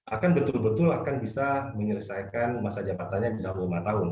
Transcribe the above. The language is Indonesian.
akan betul betul akan bisa menyelesaikan masa jabatannya tiga puluh lima tahun